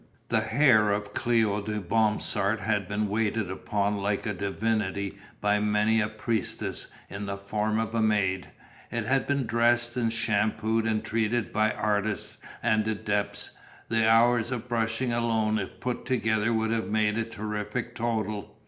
The hair of Cléo de Bromsart had been waited upon like a divinity by many a priestess in the form of a maid. It had been dressed and shampooed and treated by artists and adepts, the hours of brushing alone if put together would have made a terrific total.